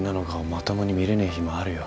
まともに見れねえ日もあるよ。